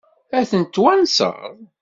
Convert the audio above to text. Ad tent-twanseḍ?